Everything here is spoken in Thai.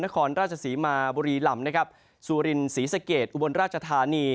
นครราชศรีมาภบุรีหลำสุรินศรีสเกตอุบลราชธานี